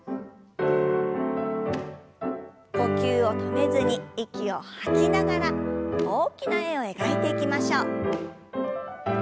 呼吸を止めずに息を吐きながら大きな円を描いていきましょう。